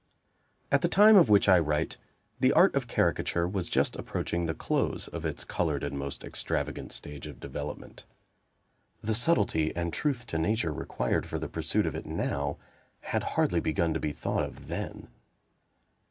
At the time of which I write, the Art of Caricature was just approaching the close of its colored and most extravagant stage of development. The subtlety and truth to Nature required for the pursuit of it now, had hardly begun to be thought of then.